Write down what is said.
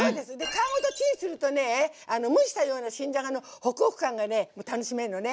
皮ごとチンするとね蒸したような新じゃがのホクホク感がね楽しめるのね！